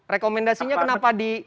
rekomendasinya kenapa di